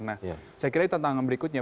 nah saya kira itu tantangan berikutnya